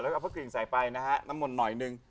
แล้วก็เอาพะกรีงใส่ไปนะฮะน้ำมนหน่อยนึง